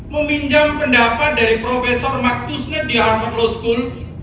meminjam pendapat dari prof maktusne di harvard law school